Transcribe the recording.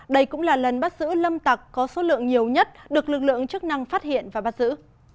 đây cũng là lần bắt giữ lâm tặc có số lượng nhiều nhất được lực lượng chức năng phát hiện và bắt giữ